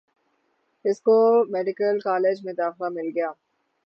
اس کو medical college میں داخلہ مل گیا